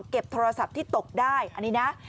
โทรศัพท์ที่ตกได้อันนี้นะ